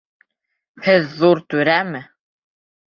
Һеҙ ҙур түрәме?